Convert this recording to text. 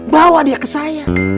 bawa dia ke saya